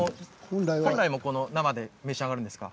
本来も生で召し上がるんですか。